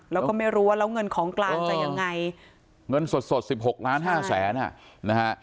แล้วก็ไม่รู้ว่าแล้วเงินของกลางจะยังไงเงินสดสดสิบหกล้านห้าแสนอ่ะนะฮะ